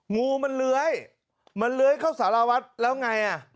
งูมันเลื้อยมันเลื้อยเข้าสารวัฒน์แล้วไงอ่ะ